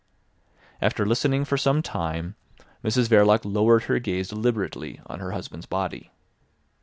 After listening for some time Mrs Verloc lowered her gaze deliberately on her husband's body.